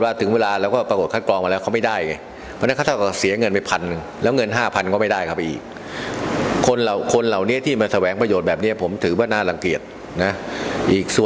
เป็นอาหร่ายคนก็ก็ยังไม่เข้าใจตรงนี้บ้างก็ไปจ้างคนมาควันหนึ่งนะค่ะ